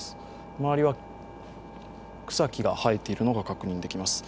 周りは草木が生えているのが確認できます。